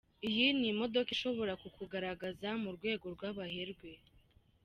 Iyi ni imodoka ishobora kukugaragaza mu rwego rw’abaherwe.